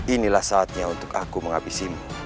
inilah saatnya untuk aku menghabisimu